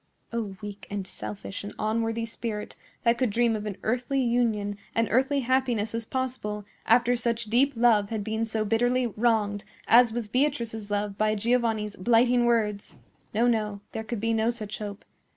O, weak, and selfish, and unworthy spirit, that could dream of an earthly union and earthly happiness as possible, after such deep love had been so bitterly wronged as was Beatrice's love by Giovanni's blighting words! No, no; there could be no such hope.